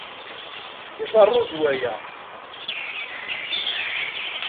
Iḍeṛṛu-d waya.